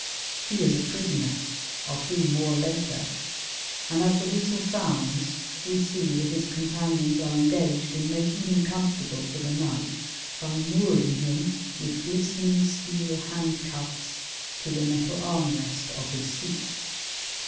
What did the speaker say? He is a prisoner, of whom more later, and, as the whistle sounds, we see that his companions are engaged in making him comfortable for the night by mooring him with glistening steel handcuffs to the metal arm rest of his seat.